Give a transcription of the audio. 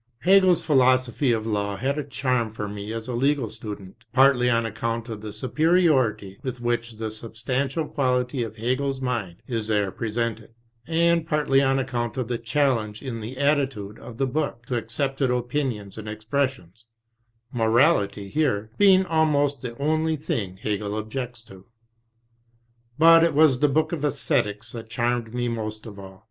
Hegel's Philosophy of Law had a charm for me as a legal student, partly on account of the superiority with which the substantial quality of Hegel's mind is there presented, and partly on account of the challenge in the attitude of the book to accepted opinions and expressions, " morality " here being almost the only thing Hegel objects to. But it was the book on ^Esthetics that charmed me most of all.